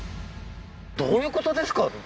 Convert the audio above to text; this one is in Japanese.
どういうことですか？